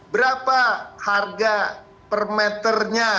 berapa harga per meternya